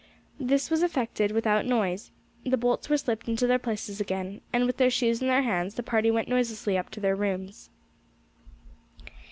This was effected without noise; the bolts were slipped into their places again, and with their shoes in their hands, the party went noiselessly up to their rooms.